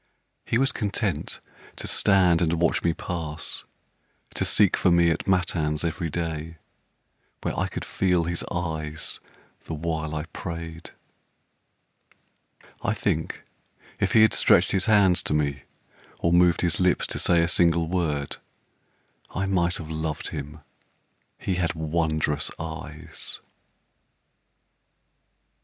He was content to stand and watch me pass, To seek for me at matins every day, Where I could feel his eyes the while I prayed. I think if he had stretched his hands to me, Or moved his lips to say a single word, I might have loved him he had wondrous eyes.